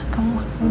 kamu makan dulu